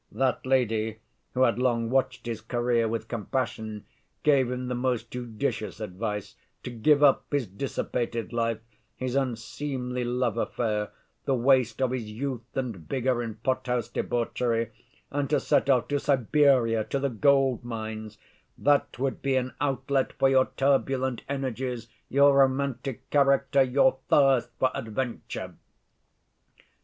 That lady, who had long watched his career with compassion, gave him the most judicious advice, to give up his dissipated life, his unseemly love‐affair, the waste of his youth and vigor in pot‐house debauchery, and to set off to Siberia to the gold‐ mines: 'that would be an outlet for your turbulent energies, your romantic character, your thirst for adventure.